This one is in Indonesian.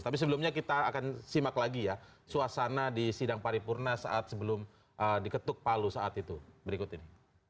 tapi sebelumnya kita akan simak lagi ya suasana di sidang paripurna saat sebelum diketuk palu saat itu berikut ini